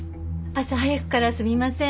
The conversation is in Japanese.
朝早くからすみません。